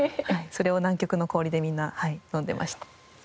それを南極の氷でみんな飲んでました。